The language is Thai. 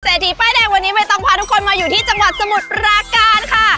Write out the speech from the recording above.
ทีป้ายแดงวันนี้ใบตองพาทุกคนมาอยู่ที่จังหวัดสมุทรปราการค่ะ